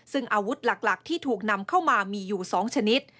ซึ่งอาวุธหลักที่ถูกนำเข้ามามีอยู่๒ชนิด